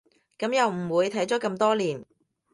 噉又唔會，睇咗咁多年